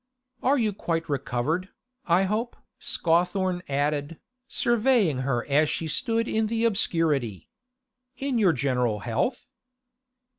'You are quite recovered, I hope?' Scawthorne added, surveying her as she stood in the obscurity. 'In your general health?